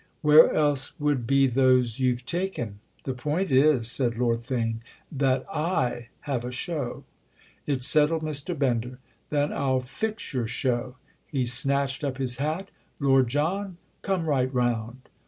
"Where else would be those you've taken? The point is," said Lord Theign, "that I have a show." It settled Mr. Bender. "Then I'll fix your show." He snatched up his hat. "Lord John, come right round!"